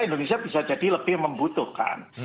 indonesia bisa jadi lebih membutuhkan